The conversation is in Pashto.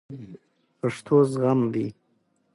پښتو زغم دی